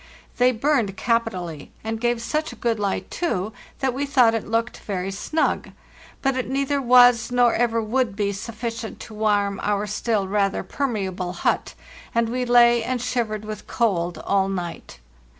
They burned capitally, and gave such a good light, too, that we thought it looked very snug; but it neither was nor ever would be sufficient to warm our still rather per meable hut, and we lay and shivered with cold all night.